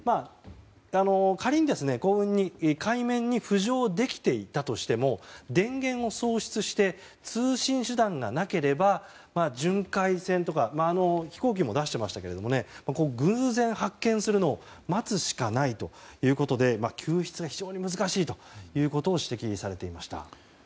仮に海面に浮上できていたとしても電源を喪失して通信手段がなければ巡回船とか飛行機も出してましたけれども偶然、発見するのを待つしかないということで救出が非常に難しいと指摘されていました。